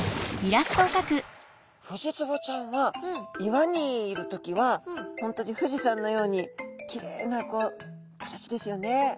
フジツボちゃんは岩にいる時は本当に富士山のようにきれいなこう形ですよね。